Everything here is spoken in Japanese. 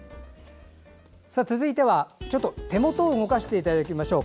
続いては、ちょっと手元を動かしていただきましょう。